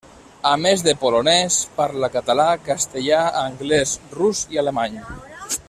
A més de polonès, parla català, castellà, anglès, rus i alemany.